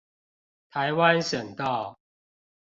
台灣省道